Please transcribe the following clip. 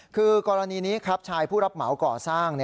คือกรณีนี้ครับชายผู้รับเหมาก่อสร้าง